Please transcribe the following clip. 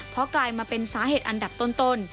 เพราะกลายมาเป็นสาเหตุอันดับต้น